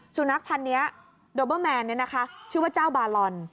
สุนัขพันธ์นี้โดเบอร์แมนชื่อว่าเจ้าบาลอน